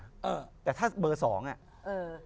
ก็ต้องเข้าโรงแรมในป่า